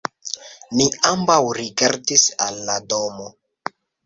Ni ambaŭ rigardis al la domo.